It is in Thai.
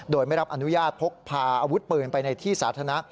โดยไม่รับอนุญาตพกพาอาวุธปืนไปในที่สาธารณะ